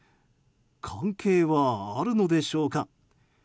関係はあるのでしょうか。